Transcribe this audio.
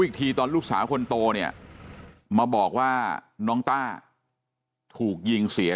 อีกทีตอนลูกสาวคนโตเนี่ยมาบอกว่าน้องต้าถูกยิงเสีย